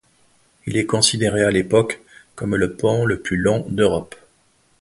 Il est considéré à l'époque comme le pont le plus long d'Europe.